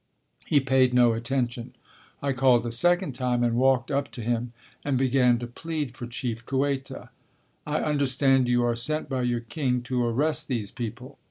He paid no attention. I called a second time and walked up to him and began to plead for Chief Kueta. "I understand you are sent by your king to arrest these people."